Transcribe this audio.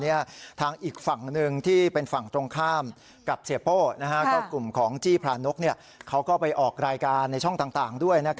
เขาก็นั่งเป็นสาธารณะและคิดถามข้างข้าง